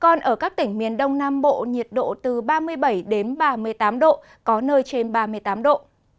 còn ở các tỉnh miền đông nam bộ nhiệt độ từ ba mươi bảy đến ba mươi tám độ có nơi trên ba mươi tám độ